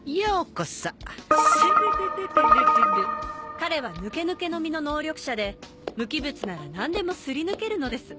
彼はヌケヌケの実の能力者で無機物なら何でもすり抜けるのです。